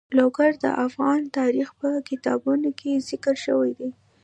لوگر د افغان تاریخ په کتابونو کې ذکر شوی دي.